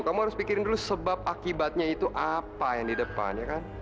kamu harus pikirin dulu sebab akibatnya itu apa yang di depan ya kan